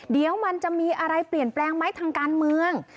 เดี๋ยวมันจะมีอะไรเปลี่ยนแปลงไหมทางการเมือง